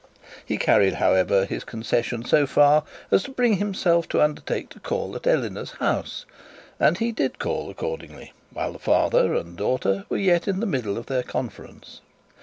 He carried, however, his concession so far as to bring himself to undertake to call at Eleanor's house, and he did call accordingly, while the father and the daughter were yet in the middle of their conference.